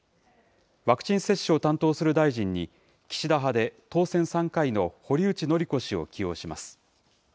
ワクチン接種を担当する大臣に、岸田派で当選３回の堀内詔子氏を起用します。